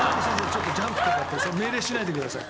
ちょっとジャンプとかって命令しないでください。